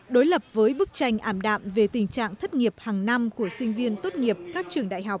đối lập với bức tranh ảm đạm về tình trạng thất nghiệp hàng năm của sinh viên tốt nghiệp các trường đại học